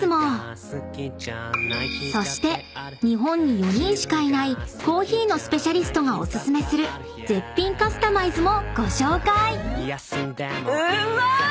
［そして日本に４人しかいないコーヒーのスペシャリストがオススメする絶品カスタマイズもご紹介］